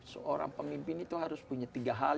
seorang pemimpin itu harus punya tiga hal